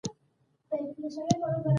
شېخ بُستان یو روحاني شخصیت وو.